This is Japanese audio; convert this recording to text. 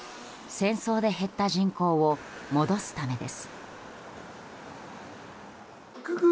戦争で減った人口を戻すためです。